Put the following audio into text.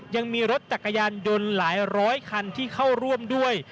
ยังมีรถจักรยานยนต์หลายร้อยคันที่เข้าร่วมด้วย